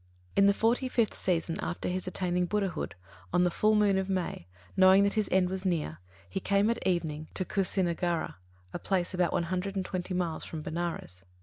In the forty fifth season after his attaining Buddhahood, on the full moon day of May, knowing that his end was near, he came at evening to Kusināgāra, a place about one hundred and twenty miles from Benares.